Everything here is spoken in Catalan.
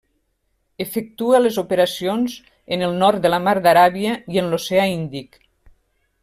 Efectua les operacions en el nord de la mar d'Aràbia i en l'oceà índic.